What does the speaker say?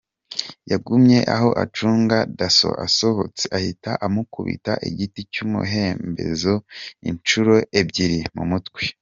Yagumye aho acunga Dasso asohotse ahita amukubita igiti cy’umuhembezo inshuro ebyiri mu mutwe”.